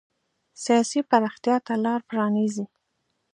سیاسي پراختیا ته لار پرانېزي.